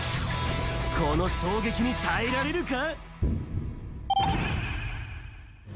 この衝撃に耐えられるか？